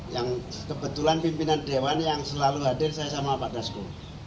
yang kebetulan pimpinan dewan yang selalu hadir saya sama pak dasko